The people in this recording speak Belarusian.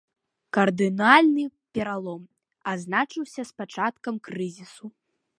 Кардынальны пералом азначыўся з пачаткам крызісу.